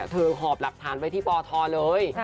หอบหลักฐานไว้ที่ปทเลย